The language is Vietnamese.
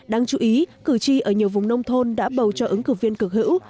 đáng chú ý cử tri ở nhiều vùng nông thôn đã bầu cho ứng cử viên cực hữu